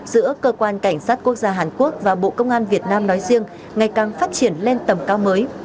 giữa cơ quan cảnh sát quốc gia hàn quốc và bộ công an việt nam nói riêng ngày càng phát triển lên tầm cao mới